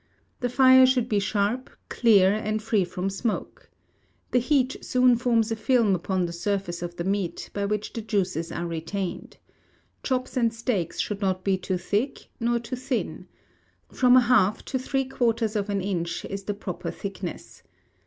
The fire should be sharp, clear, and free from smoke. The heat soon forms a film upon the surface of the meat, by which the juices are retained. Chops and steaks should not be too thick nor too thin. From a half to three quarters of an inch is the proper thickness.